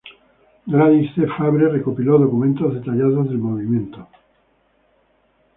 Gladys C. Fabre recopiló documentos detallados del movimiento.